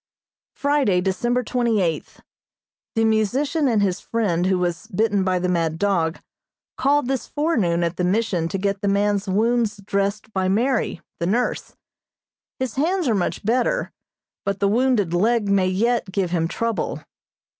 Friday, December twenty eighth: The musician and his friend who was bitten by the mad dog called this forenoon at the Mission to get the man's wounds dressed by Mary, the nurse. His hands are much better, but the wounded leg may yet give him trouble.